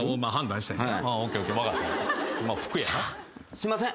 すいません